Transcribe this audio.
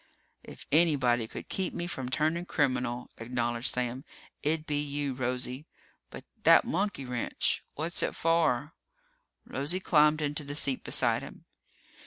"If anybody could keep me from turning criminal," acknowledged Sam, "it'd be you, Rosie. But that monkey wrench what's it for?" Rosie climbed into the seat beside him.